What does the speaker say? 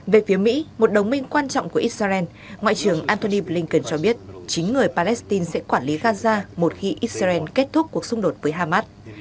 về phía mỹ một đồng minh quan trọng của israel ngoại trưởng antony blinken cho biết chính người palestine sẽ quản lý gaza một khi israel kết thúc cuộc xung đột với hamas